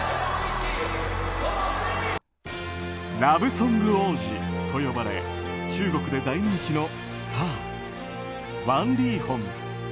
ラブソング王子と呼ばれ中国で大人気のスターワン・リーホン。